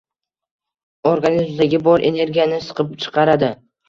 Organizmdagi bor energiyani siqib chiqaradi.